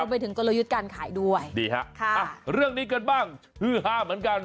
ไปถึงกลยุทธ์การขายด้วยดีฮะค่ะอ่ะเรื่องนี้กันบ้างฮือฮาเหมือนกัน